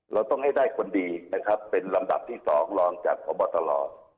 เราต้องให้ได้คนดีนะครับเป็นลำดับที่๒รองจากพบตร